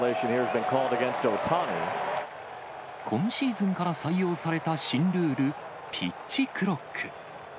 今シーズンから採用された新ルール、ピッチクロック。